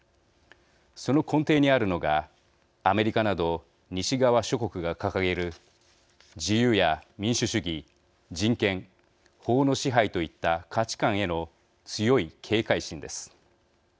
その根底にあるのがアメリカなど西側諸国が掲げる自由や民主主義、人権、法の支配といった価値観への強い警戒心です。